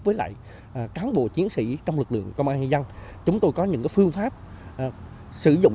với lại cán bộ chiến sĩ trong lực lượng công an nhân dân chúng tôi có những phương pháp sử dụng